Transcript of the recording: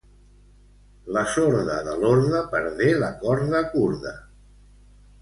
La sorda de l'orde perdé la corda kurda.